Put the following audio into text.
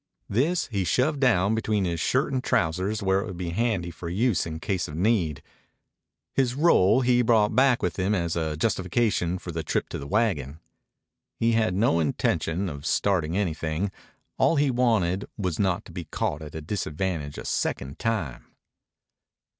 This he shoved down between his shirt and trousers where it would be handy for use in case of need. His roll he brought back with him as a justification for the trip to the wagon. He had no intention of starting anything. All he wanted was not to be caught at a disadvantage a second time.